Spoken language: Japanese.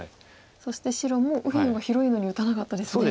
そして白も右辺の方が広いのに打たなかったですね。